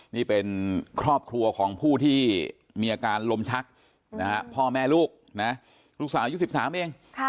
นี่เป็นครอบครัวของผู้ที่มีอาการลมชักพ่อแม่ลูกนะลูกสาวอายุ๑๓เอง